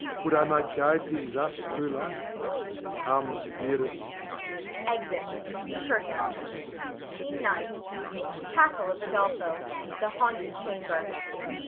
Would I might guide thee thus through life! Come, dearest! [Exit. CURTAIN. SCENE NINTH. [Castle of Rodolpho. _The haunted chamber.